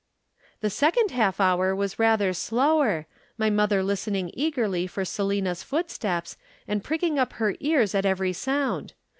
"The second half hour was rather slower, my mother listening eagerly for Selina's footsteps, and pricking up her ears at every sound.